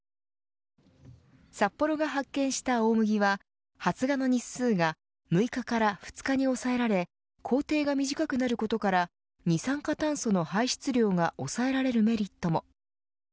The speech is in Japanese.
サッポロが発見した大麦は発芽の日数が６日から２日に抑えられ工程が短くなることから二酸化炭素の排出量が抑えられるメリットも。